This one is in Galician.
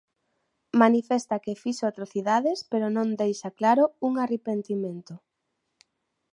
Manifesta que fixo atrocidades pero non deixa claro un arrepentimento.